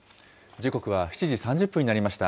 時刻は７時３０分になりました。